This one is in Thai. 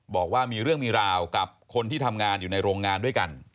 บอกว่ามีเรื่องมีราวกับคนที่ทำงานอยู่ในโรงงานด้วยกัน